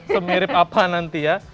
semirip apa nanti ya